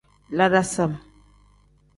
La dasam.